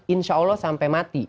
insya allah sampai mati